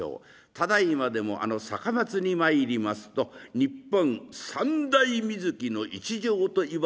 ただいまでもあの高松に参りますと日本三大水城の一城と言われております